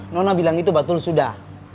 nona bilang itu betul sudah